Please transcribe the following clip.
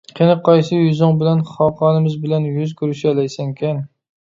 قېنى قايسى يۈزۈڭ بىلەن خاقانىمىز بىلەن يۈز كۆرۈشەلەيسەنكىن!